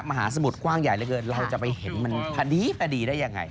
มหาสมุทรกว้างใหญ่เหลือเกินเราจะไปเห็นมันพอดีพอดีได้ยังไง